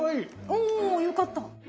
およかった。